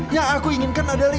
yang aku inginkan adalah